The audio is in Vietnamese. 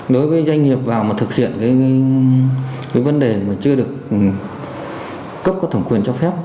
đối với doanh nghiệp vào mà thực hiện cái vấn đề mà chưa được cấp có thẩm quyền cho phép